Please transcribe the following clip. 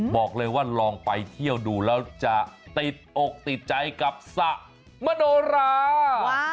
บอกเลยว่าลองไปเที่ยวดูแล้วจะติดอกติดใจกับสะมโนรา